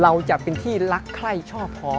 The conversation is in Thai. เราจะเป็นที่รักใคร่ชอบพอ